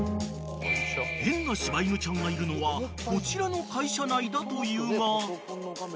［変な柴犬ちゃんがいるのはこちらの会社内だというが］